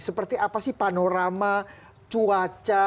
seperti apa sih panorama cuaca